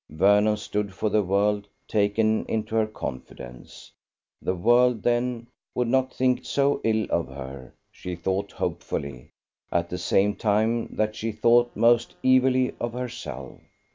Vernon stood for the world taken into her confidence. The world, then, would not think so ill of her, she thought hopefully, at the same time that she thought most evilly of herself.